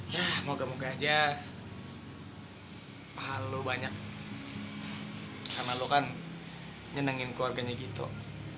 yah moga moga aja pahal lo banyak karena lo kan nyenengin keluarganya gitu eh